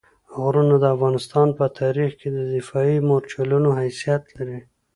غرونه د افغانستان په تاریخ کې د دفاعي مورچلونو حیثیت لري.